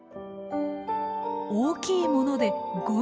大きいもので５ｍｍ。